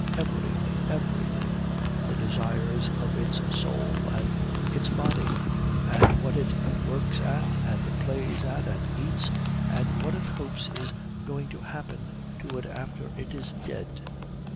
Everything, everything the desires of its soul and its body, and what it works at and plays at and eats, and what it hopes is going to happen to it after it is dead."